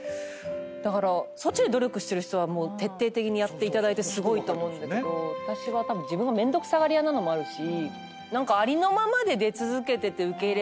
だからそっちで努力してる人は徹底的にやっていただいてすごいと思うんだけど自分がめんどくさがり屋なのもあるし。